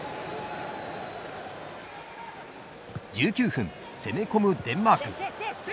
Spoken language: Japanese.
１９分、攻め込むデンマーク。